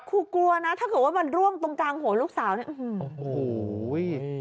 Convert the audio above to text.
กลัวนะถ้าเกิดว่ามันร่วงตรงกลางหัวลูกสาวเนี่ยโอ้โห